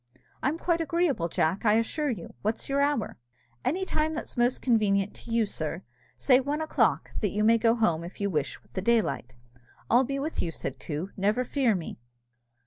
"It's quite agreeable, Jack, I assure you; what's your hour?" "Any time that's most convenient to you, sir say one o'clock, that you may go home, if you wish, with the daylight." "I'll be with you," said Coo, "never fear me."